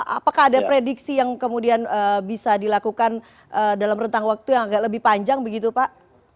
apakah ada prediksi yang kemudian bisa dilakukan dalam rentang waktu yang agak lebih panjang begitu pak